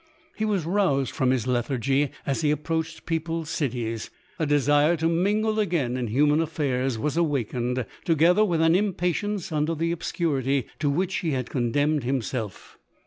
He was roused from hi^ lethargy as he approached peo pled cities; a desire to mingle again in human af fairs was awakened, together with an impatience under the obscurity to which he had condemned himself.